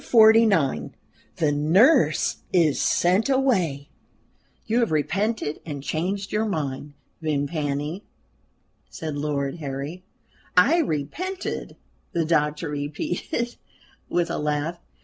] CHAPTER XLIX THE NURSE IS SENT AWAY "YOU have repented and changed your mind, Vimpany?" said Lord Harry. "I repented?" the doctor repeated, with a laugh.